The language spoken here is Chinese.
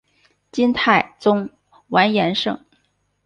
金太宗完颜晟。